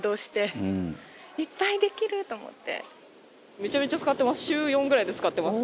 めちゃめちゃ使ってます。